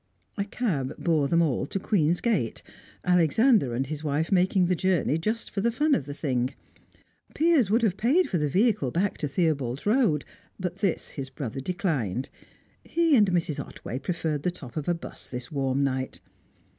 A cab bore them all to Queen's Gate, Alexander and his wife making the journey just for the fun of the thing. Piers would have paid for the vehicle back to Theobald's Road, but this his brother declined; he and Mrs. Otway preferred the top of a 'bus this warm night.